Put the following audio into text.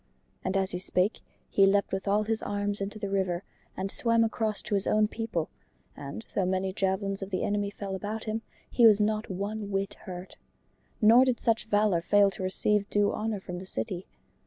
And as he spake he leapt with all his arms into the river and swam across to his own people, and though many javelins of the enemy fell about him, he was not one whit hurt. Nor did such valor fail to receive due honor from the city.